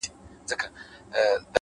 د زاړه عکس څنډې تل لږ تاو وي؛